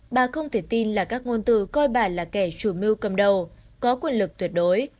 bà không thể tin là các ngôn từ coi bản là kẻ chủ mưu cầm đầu có quyền lực tuyệt đối